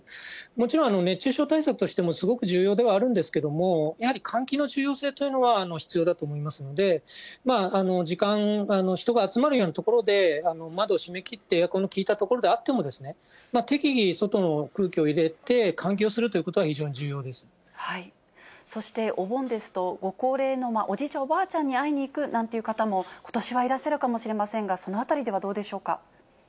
もちろん、熱中症対策としてもすごく重要ではあるんですけども、やはり換気の重要性というのは、必要だと思いますので、人が集まるような所で窓閉め切って、エアコンの効いた所であっても、適宜、外の空気を入れて、換気をそしてお盆ですと、ご高齢の、おじいちゃん、おばあちゃんに会いに行くなんていう方も、ことしはいらっしゃるかもしれませんが、そのあたりではどうでしょうか。